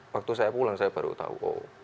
waktu saya pulang saya baru tahu kok